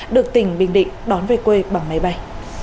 được tỉnh bình định đón về quê bằng máy bay